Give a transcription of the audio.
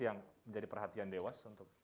yang menjadi perhatian dewas